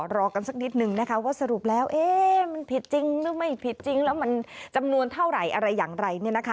รอกันสักนิดนึงนะคะว่าสรุปแล้วมันผิดจริงหรือไม่ผิดจริงแล้วมันจำนวนเท่าไหร่อะไรอย่างไร